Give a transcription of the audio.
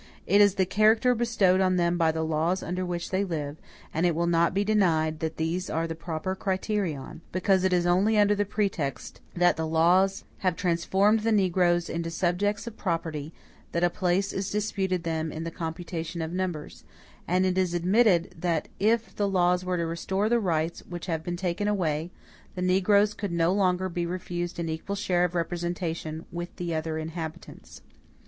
It is the character bestowed on them by the laws under which they live; and it will not be denied, that these are the proper criterion; because it is only under the pretext that the laws have transformed the negroes into subjects of property, that a place is disputed them in the computation of numbers; and it is admitted, that if the laws were to restore the rights which have been taken away, the negroes could no longer be refused an equal share of representation with the other inhabitants.